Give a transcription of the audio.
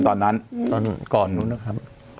ก่อนนะครับ